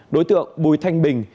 đối tượng bùi thanh bình